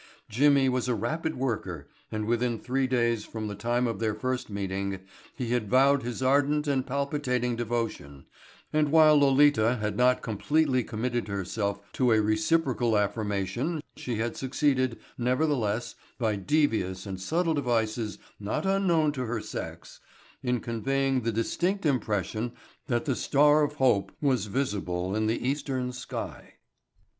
Jimmy was a rapid worker and within three days from the time of their first meeting he had vowed his ardent and palpitating devotion, and while Lolita had not completely committed herself to a reciprocal affirmation she had succeeded, nevertheless, by devious and subtle devices not unknown to her sex, in conveying the distinct impression that the star of hope was visible in the eastern sky.